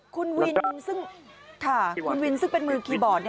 คุณวินซึ่งค่ะคุณวินซึ่งเป็นมือคีย์บอร์ด